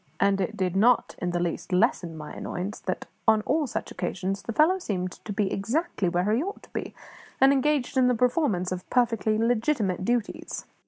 And it did not in the least lessen my annoyance that, on all such occasions, the fellow seemed to be exactly where he ought to be, and engaged in the performance of perfectly legitimate duties.